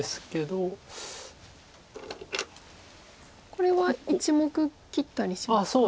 これは１目切ったりしますか？